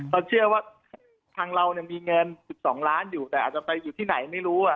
เขาเชื่อว่าทางเรามีเงิน๑๒ล้านอยู่แต่อาจจะไปอยู่ที่ไหนไม่รู้